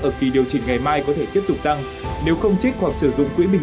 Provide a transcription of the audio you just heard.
ở kỳ điều chỉnh ngày mai có thể tiếp tục tăng nếu không trích hoặc sử dụng quỹ bình